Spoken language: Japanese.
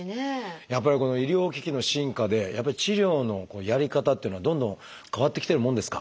やっぱり医療機器の進化で治療のやり方っていうのはどんどん変わってきてるもんですか？